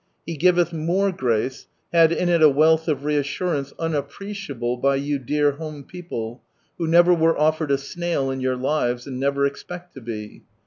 "He giveth mor^ grace" had in it a wealth of reassurance unajipreciable by you dear home people, who never were offered a snail in your lives, and neict expect to be.